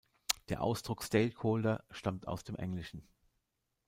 Der Ausdruck "Stakeholder" stammt aus dem Englischen.